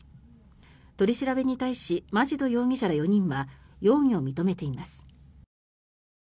取り調べに対しマジド容疑者ら４人は容疑を認めています。